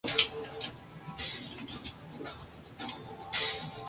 Ha sido profesor visitante de periodismo en la Universidad de Berkeley.